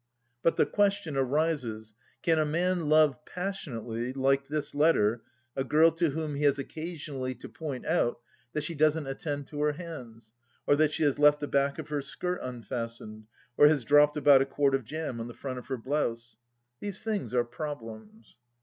But the question arises, can a man love passionately, like this letter, a girl to whom he has occasionally to point out that she doesn't attend to her hands, or that she has left the back of her skirt unfastened, or has dropped about a quart of jam on the front of her blouse ? These things are problems.